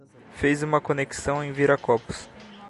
Fez uma conexão em Viracopos